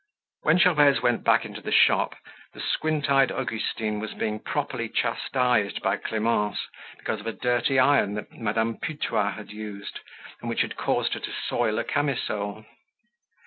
When Gervaise went back into the shop, the squint eyed Augustine was being properly chastised by Clemence because of a dirty iron that Madame Putois had used and which had caused her to soil a camisole.